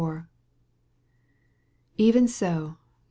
л Even so